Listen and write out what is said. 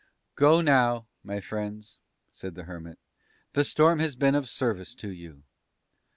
"Go now, my friends," said the Hermit; "the storm has been of service to you.